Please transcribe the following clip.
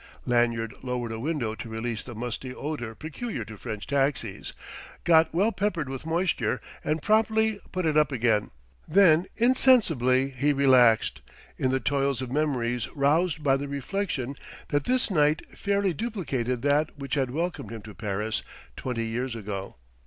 Lanyard lowered a window to release the musty odour peculiar to French taxis, got well peppered with moisture, and promptly put it up again. Then insensibly he relaxed, in the toils of memories roused by the reflection that this night fairly duplicated that which had welcomed him to Paris, twenty years ago.